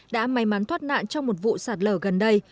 đã may mắn thoát nạn trong một vụ sạt lở gần đây